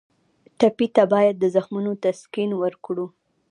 ټپي ته باید د زخمونو تسکین ورکړو.